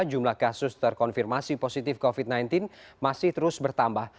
jumlah kasus terkonfirmasi positif covid sembilan belas masih terus bertambah